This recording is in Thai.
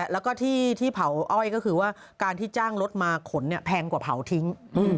แล้วก็ที่เผาอ้อยก็คือว่าการที่จ้างรถมาขนแพงกว่าเผาทิ้ง